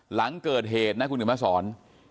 หลังเกิดเหตุนะคุณเดี๋ยวมาสอน